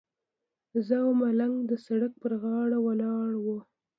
زه او ملنګ د سړک پر غاړه ولاړ وو.